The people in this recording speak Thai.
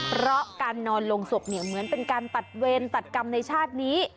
เพราะการนอนลงศพเนี่ยเหมือนเป็นการตัดเวรตัดกรรมในชาตินี้